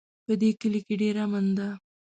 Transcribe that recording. په دې کلي کې ډېر امن ده